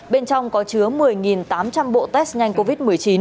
bên trong có chứa một mươi tám trăm linh bộ test nhanh covid một mươi chín